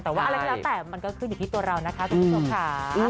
แต่ว่าอะไรก็แล้วแต่มันก็ขึ้นอยู่ที่ตัวเรานะคะคุณผู้ชมค่ะ